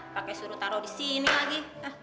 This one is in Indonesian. pakai suruh taruh di sini lagi